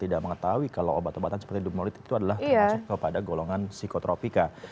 tidak mengetahui kalau obat obatan seperti dumolitik itu adalah termasuk kepada golongan psikotropika